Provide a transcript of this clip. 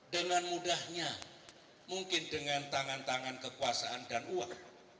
dengan mudahnya mungkin dengan tangan tangan kekuasaan dan uang